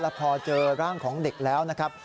พอเจอร่างของเด็กแล้วนะครับ